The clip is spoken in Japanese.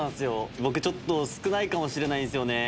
僕ちょっと少ないかもしれないんすよね。